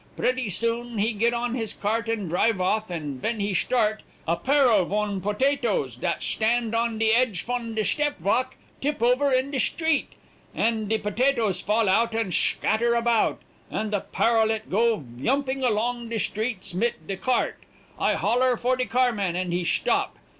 Pretty soon, he get on his cart and drive off, and ven he shtart, a parrell von botatoes, dat shtand on de edge fon de shtep valk, tip over in de shtreet, and de botatoes fall out and shcatter about, and the parrell it go yumping along de shtreets, mit de cart; I holler for de carman and he shtop.